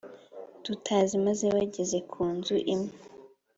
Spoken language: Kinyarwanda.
tutazi maze bageze ku nzu imwe